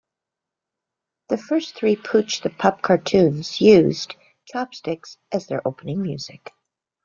The first three Pooch the Pup cartoons used "Chopsticks" as their opening music.